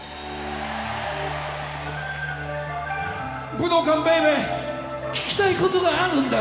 武道館ベイベー聞きたいことがあるんだ。